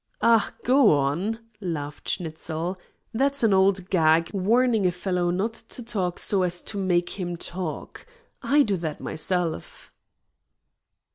"Ah, go on," laughed Schnitzel. "That's an old gag, warning a fellow not to talk so as to MAKE him talk. I do that myself."